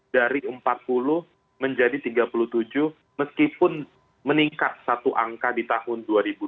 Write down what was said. dari empat puluh menjadi tiga puluh tujuh meskipun meningkat satu angka di tahun dua ribu dua puluh